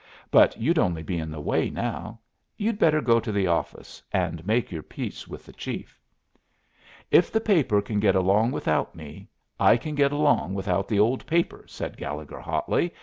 But you'd only be in the way now. You'd better go to the office and make your peace with the chief." "If the paper can get along without me, I can get along without the old paper," said Gallegher, hotly.